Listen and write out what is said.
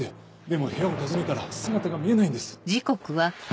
でも部屋を訪ねたら姿が見えないんです。